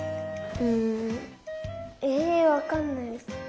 うんえわかんない。